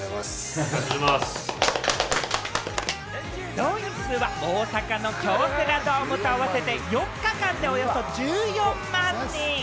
動員数は大阪の京セラドームと合わせて、４日間でおよそ１４万人。